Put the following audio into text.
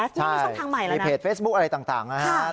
นั่นเป็นช่องทางใหม่แล้วนะครับใช่มีเพจเฟสบุ๊คอะไรต่างนะครับใช่